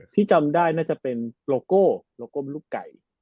ที่จำได้น่าจะเป็นโลโก้โลโก้ลูกไก่